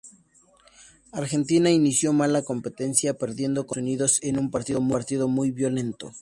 Argentina inició mal la competencia perdiendo contra Estados Unidos en un partido muy violento.